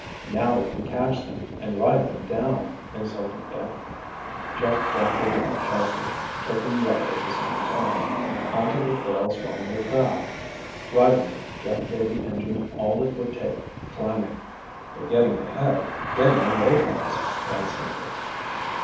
"Now we can catch them and ride them down!" exulted Dick. Jeff dropped a wing sharply—kicking rudder at the same time. Onto the trail swung their craft. Righting it Jeff gave the engine all it would take, climbing. "They're getting ahead—getting away from us!" cried Sandy.